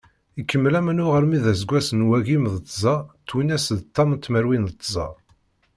Ikemmel amennuɣ armi d aseggas n wagim d tẓa twinas d ṭam tmerwin d tẓa.